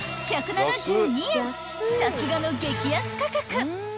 ［さすがの激安価格］